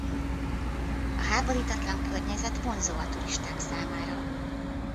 A háborítatlan környezet vonzó a turisták számára.